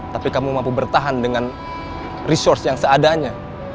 tapi kamu mampu bertahan dengan sumber daya yang seadanya